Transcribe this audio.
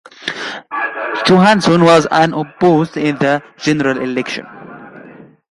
Johnson was unopposed in the general election.